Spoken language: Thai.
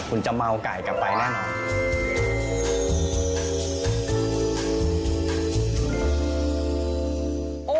คุณจะเมาไก่กลับไปแน่นอน